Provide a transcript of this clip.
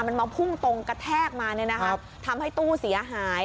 มันมาพุ่งตรงกระแทกมาทำให้ตู้เสียหาย